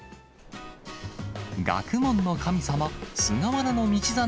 学問の神様、菅原道真